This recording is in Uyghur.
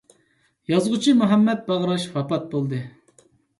يازغۇچى مۇھەممەت باغراش ۋاپات بولدى.